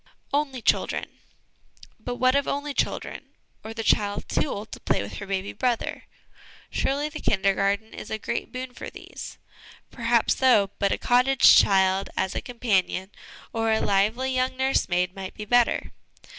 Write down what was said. ' Only' Children. But what of only children, or the child too old to play with her baby brother ? Surely the Kindergarten is a great boon for these ! Perhaps so ; but a cottage child as a companion, or a lively young nursemaid, might be better.